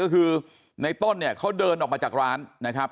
ก็คือในต้นเนี่ยเขาเดินออกมาจากร้านนะครับ